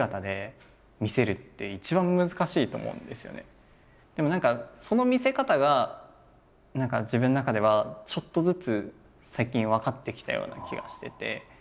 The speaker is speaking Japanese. だけどでも何かその見せ方が自分の中ではちょっとずつ最近分かってきたような気がしてて。